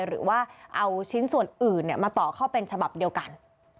หรือว่าเอาชิ้นส่วนอื่นมาต่อเข้าเป็นฉบับเดียวกัน